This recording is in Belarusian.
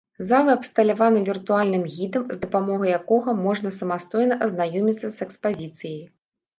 Залы абсталяваны віртуальным гідам, з дапамогай якога можна самастойна азнаёміцца з экспазіцыяй.